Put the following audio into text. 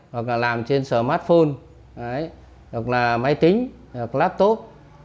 hoặc là làm trên smartphone hoặc là máy tính hoặc laptop